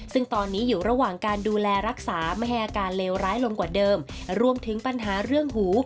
ซึ่งตอนนี้อยู่ระหว่างการดูแลรักษาไม่ให้อาการเลวร้ายลงกว่าเดิมรวมถึงปัญหาเรื่องหู